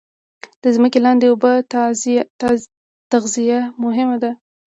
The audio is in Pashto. د ځمکې لاندې اوبو تغذیه مهمه ده